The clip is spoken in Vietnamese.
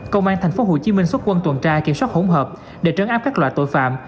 công an tp hcm xuất quân tuần tra kiểm soát hỗn hợp để trấn áp các loại tội phạm